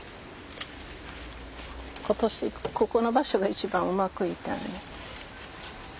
今年ここの場所が一番うまくいったね。